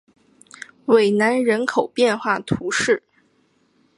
韦南人口变化图示